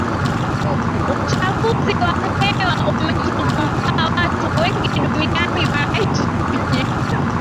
Uchafuzi wa hewa umetuzunguka Watu wengi duniani wanaishi kwenye